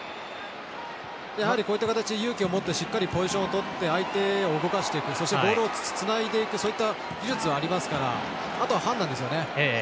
やはりこういった形で勇気を持ってしっかりと相手を動かしていく、そしてボールをつないでいくそういった技術はありますからあとは判断ですよね。